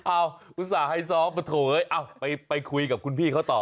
อ้าวอุตส่าห์ให้ซ้อมประถูกเลยไปคุยกับคุณพี่เขาต่อ